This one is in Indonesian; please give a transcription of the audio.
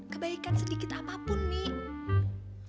kebaikan sedikit apapun nih